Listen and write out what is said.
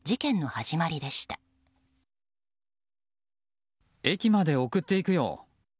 駅まで送っていくよ。